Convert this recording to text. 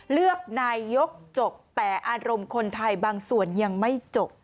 เลือกนายกจบแต่อารมณ์คนไทยบางส่วนยังไม่จบ